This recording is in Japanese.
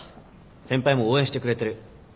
先輩も応援してくれてる。